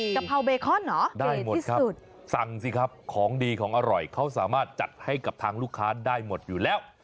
กะเพราเบคอนเหรอได้หมดครับสั่งสิครับของดีของอร่อยเขาสามารถจัดให้กับทางลูกค้าได้หมดอยู่แล้ว